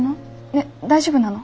ねえ大丈夫なの？